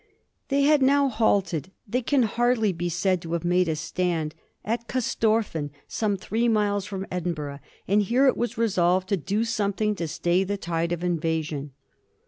They had now halted — ^they can hardly be said to have made a stand — at Corstorphine, some three miles from Edinburgh, and here it was resolved to do something to stay the tide of invasion.